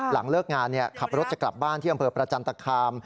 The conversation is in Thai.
หลังเลิกงานขับรถจะกลับบ้านที่อำเภอประจันตคาม